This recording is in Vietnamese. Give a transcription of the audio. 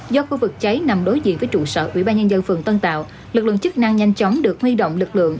do khu vực cháy nằm đối diện với trụ sở ủy ban nhân dân phường tân tạo lực lượng chức năng nhanh chóng được huy động lực lượng